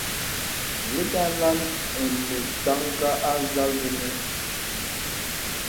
Lít àlə̀n enə tànka à nzàl vənə.